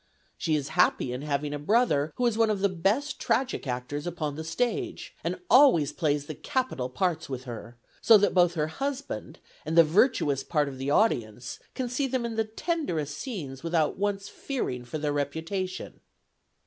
She is happy in having a brother who is one of the best tragic actors upon the stage, and always plays the capital parts with her; so that both her husband and the virtuous part of the audience can see them in the tenderest scenes without once fearing for their reputation."